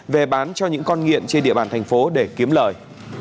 về bán cho những con nghiện trên địa bàn thành phố để kiếm lời